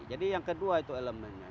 jadi yang kedua itu elemennya